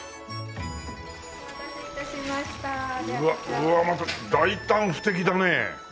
うわまた大胆不敵だね。